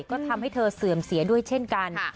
ก็ทำให้เธอเสื่อมเสียด้วยเช่นกัน